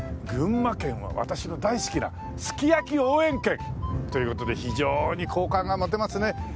群馬県は私の大好きなすき焼き応援県という事で非常に好感が持てますね。